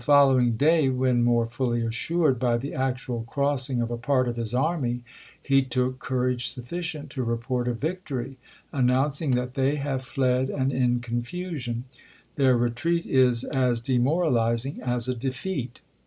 lowing day, when more fully assured by the actual II., p. 689. crossing of a part of his army, he took courage sufficient to report a victory, announcing that " they have fled and in confusion ; their retreat is 693. Ibid., p. 691. Gen. Scott THE ADVANCE 317 as demoralizing as a defeat."